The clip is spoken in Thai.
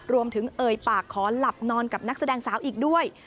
เอ่ยปากขอหลับนอนกับนักแสดงสาวอีกด้วย